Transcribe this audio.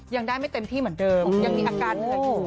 ยังได้ไม่เต็มที่เหมือนเดิมยังมีอาการเหนื่อยอยู่